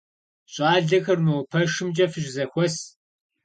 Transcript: Щӏалэхэр мо пэшымкӏэ фыщызэхуэс.